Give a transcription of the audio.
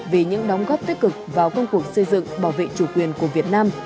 vì những đóng góp tích cực vào công cuộc xây dựng bảo vệ chủ quyền của việt nam